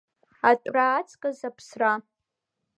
Атәра аҵкыс аԥсра.